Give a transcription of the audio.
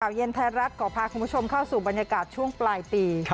เย็นไทยรัฐขอพาคุณผู้ชมเข้าสู่บรรยากาศช่วงปลายปี